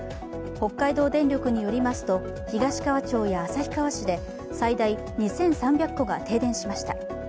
北海道電力によりますと東川町や旭川市で最大２３００戸が停電しました。